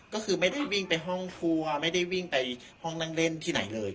ก็คือไม่ได้วิ่งไปห้องครัวไม่ได้วิ่งไปห้องนั่งเล่นที่ไหนเลย